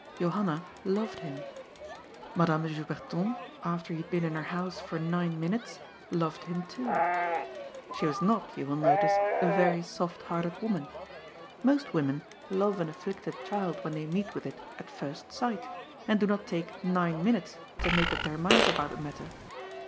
Johanna loved him. Madame Juberton, after he had been in her house for nine minutes, loved him too. She was not, you will notice, a very soft hearted woman. Most women love an afflicted child, when they meet with it, at first sight, and' do not take nine minutes to make up their minds about the matter.